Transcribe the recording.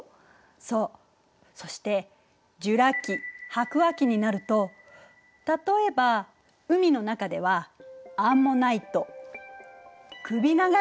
そしてジュラ紀白亜紀になると例えば海の中ではアンモナイト首長竜などが泳いでいたのよ。